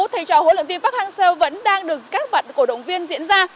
thầy trò huấn luyện viên bắc hàng sơ vẫn đang được các bạn cổ động viên diễn ra